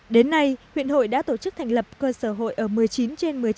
đến nay huyện hội đã tổ chức thành lập cơ sở hội ở một mươi chín trên một mươi chín